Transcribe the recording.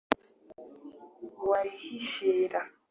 Wirihishira”